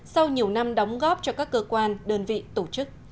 sau nhiều năm đóng góp cho các cơ quan đơn vị tổ chức